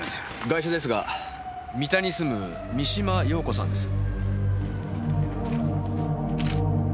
ガイシャですが三田に住む三島陽子さんです。